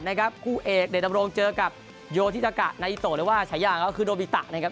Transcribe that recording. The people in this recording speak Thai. มีบัตรนะครับคู่เอกเดชน์ดำรงเจอกับโยธิสักะนายิโตะเรียกว่าใช้อย่างเขาคือโรบิตะนะครับ